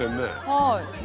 はい。